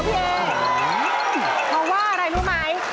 เอเพราะว่าอะไรรู้ไหม